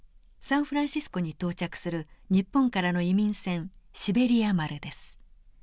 サンフランシスコに到着する日本からの移民船シベリア丸です。